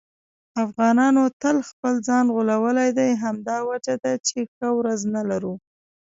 افغانانو تل خپل ځان غولولی دی. همدا وجه ده چې ښه ورځ نه لرو.